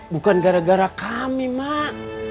bukan gara gara kami mak